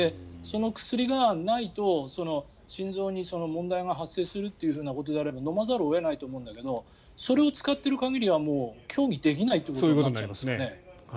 その薬がないと心臓に問題が発生するということであれば飲まざるを得ないと思うんだけどそれを使ってる限りはもう競技できないということになっちゃいますよね。